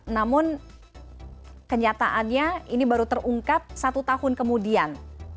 namun kenyataannya ini baru terungkap satu tahun kemudian